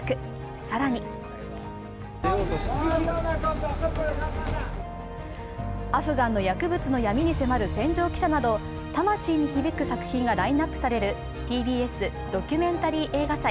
更に、アフガンの薬物の闇に迫る戦場記者など、魂に響く作品がラインナップされる「ＴＢＳドキュメンタリー映画祭」